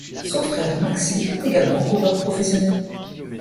Son frère Maxim est également coureur professionnel.